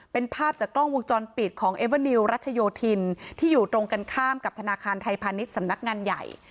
เป็นภาพจากกล้องวงจรปิดของเอเวอร์นิวรัชโยธินที่อยู่ตรงกันข้ามกับธนาคารไทยพาณิชย์สำนักงานใหญ่